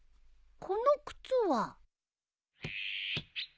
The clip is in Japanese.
この靴は。